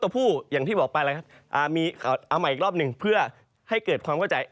ไปอีกรอบหนึ่งเพื่อให้เกิดความเข้าใจ